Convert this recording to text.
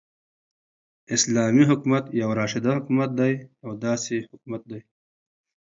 ح : اسلامې حكومت يو راشده حكومت دى يو داسي حكومت دى